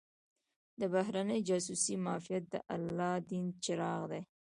د بهرنۍ جاسوسۍ معافیت د الله دین چراغ دی.